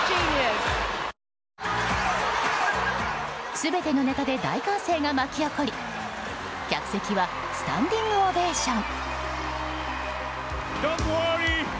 全てのネタで大歓声が巻き起こり客席はスタンディングオベーション。